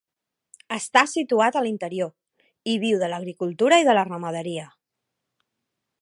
Està situat a l'interior, i viu de l'agricultura i de la ramaderia.